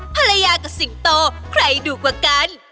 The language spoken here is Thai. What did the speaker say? ภรรยากับสิงโตใครดุกว่ากัน